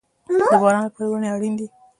د باران لپاره ونې اړین دي